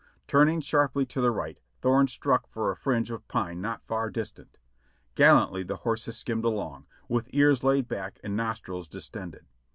Turning sharply to the right, Thorne struck for a fringe of pine not far distant. Gallantly the horses skimmed along, with ears laid back and nostrils distended.